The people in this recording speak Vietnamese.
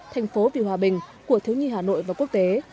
thành phố vì hòa bình của thiếu nhi hà nội và quốc tế